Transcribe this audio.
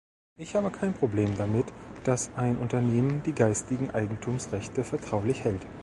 Ich habe kein Problem damit, dass ein Unternehmen die geistigen Eigentumsrechte vertraulich hält.